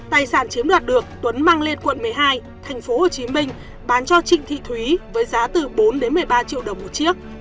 đoạn chiếm đoạt được tuấn mang lên quận một mươi hai thành phố hồ chí minh bán cho trịnh thị thúy với giá từ bốn một mươi ba triệu đồng một chiếc